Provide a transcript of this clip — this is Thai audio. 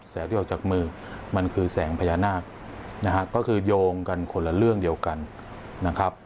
ที่ออกจากมือมันคือแสงพญานาคนะฮะก็คือโยงกันคนละเรื่องเดียวกันนะครับ